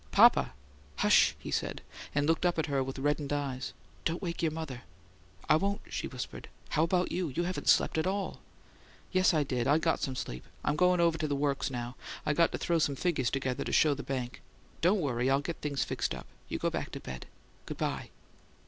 "Papa!" "Hush," he said, and looked up at her with reddened eyes. "Don't wake your mother." "I won't," she whispered. "How about you? You haven't slept any at all!" "Yes, I did. I got some sleep. I'm going over to the works now. I got to throw some figures together to show the bank. Don't worry: I'll get things fixed up. You go back to bed. Good bye."